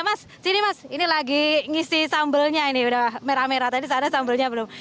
mas sini mas ini lagi ngisi sambalnya ini udah merah merah tadi sana sambalnya belum